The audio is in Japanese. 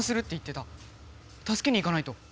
たすけに行かないと！